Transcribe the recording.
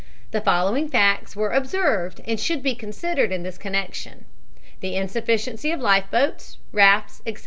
The following facts were observed and should be considered in this connection: The insufficiency of life boats, rafts, etc.